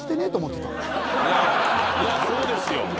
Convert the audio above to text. いやそうですよ。